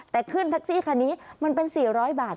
แต่ขึ้นแท็กซี่คันนี้มันเป็น๔๐๐บาท